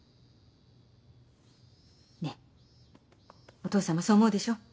ねえお父さんもそう思うでしょ？